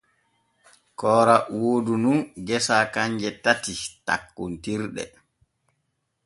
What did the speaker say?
Koora woodu nun gesa kanje tati tokkontirɗe.